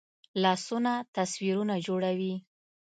لاسونه تصویرونه جوړوي